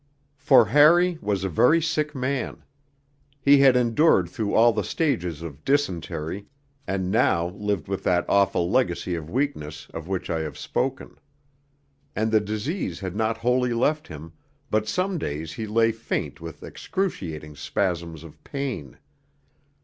III For Harry was a very sick man. He had endured through all the stages of dysentery, and now lived with that awful legacy of weakness of which I have spoken. And the disease had not wholly left him, but some days he lay faint with excruciating spasms of pain.